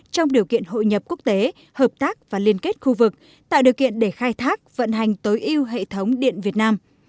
trong điều kiện hội nhập quốc tế hợp tác và liên kết khu vực tạo điều kiện để khai thác vận hành tối ưu hệ thống điện việt nam